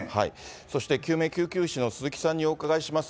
そして救命救急士の鈴木さんにお伺いします。